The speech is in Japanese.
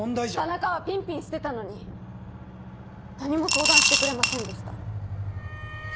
田中はピンピンしてたのに何も相談してくれませんでした。